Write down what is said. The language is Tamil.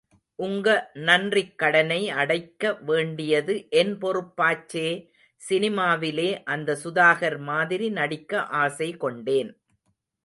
உங்க நன்றிக் கடனை அடைக்க வேண்டியது என் பொறுப்பாச்சே... சினிமாவிலே அந்த சுதாகர் மாதிரி நடிக்க ஆசை கொண்டேன்.